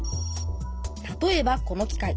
例えばこの機械。